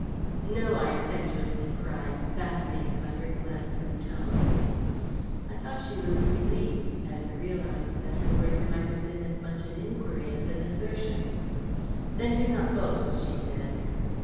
"No," I impetuously cried, fascinated by her glance and tone. I thought she looked relieved, and realized that her words might have been as much an inquiry as an assertion. "Then do not boast," she said.